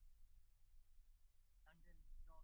পিলে কাজ হয়েছে।